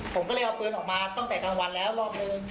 ผมก็เลยเอาปืนออกมาตั้งแต่กลางวันแล้วรอบนึง